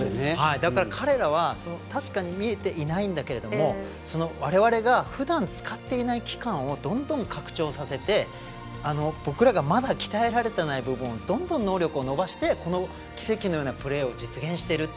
だから、彼らは確かに見えてないんだけどわれわれがふだん使っていない器官をどんどん拡張させて僕らがまだ鍛えられてない部分のどんどん能力を伸ばして奇跡のようなプレーを実現してる。